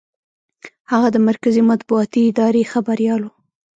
هغه د مرکزي مطبوعاتي ادارې خبریال و.